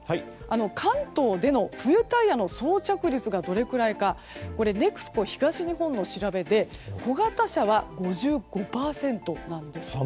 関東での冬タイヤの装着率がどれくらいかＮＥＸＣＯ東日本の調べで小型車は５５％なんですね。